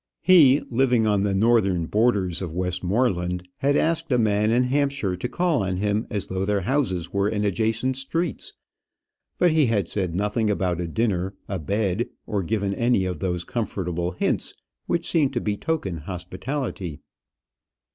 He, living on the northern borders of Westmoreland, had asked a man in Hampshire to call on him, as though their houses were in adjacent streets; but he had said nothing about a dinner, a bed, or given any of those comfortable hints which seem to betoken hospitality.